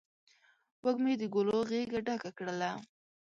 وږمې د ګلو غیږه ډکه کړله